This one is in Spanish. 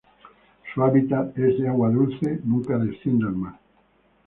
Su hábitat es de agua dulce, nunca desciende al mar.